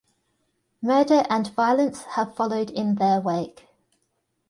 Murder and violence have followed in their wake.